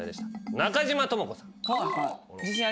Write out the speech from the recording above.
中島知子さん。